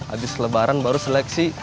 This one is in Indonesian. abis lebaran baru seleksi